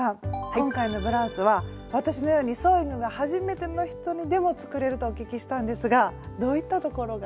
今回のブラウスは私のようにソーイングがはじめての人にでも作れるとお聞きしたんですがどういったところが？